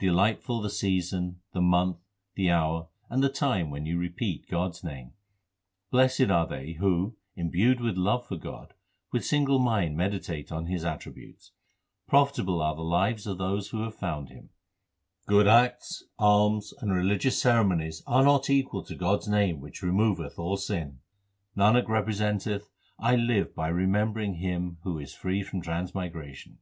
Delightful the season, the month, the hour, and the time when you repeat God s name. Blessed are they who imbued with love for God with single mind meditate on His attributes. Profitable are the lives of those who have found Him. Good acts, alms, and religious ceremonies are not equal to God s name which removeth all sin. Nanak representeth, I live by remembering Him who is free from transmigration.